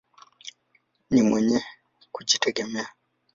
Ni mwenye kujitegemea.